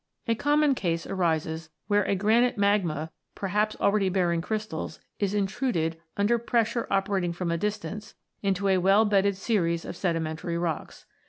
A common case arises where a granite magma, perhaps already bearing crystals, is intruded, under pressure operating from a distance, into a well bedded series IGNEOUS ROCKS 121 of sedimentary rocks.